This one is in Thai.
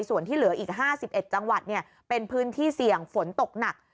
ส่วนที่เหลืออีก๕๑จังหวัดเป็นพื้นที่เสี่ยงฝนตกหนัก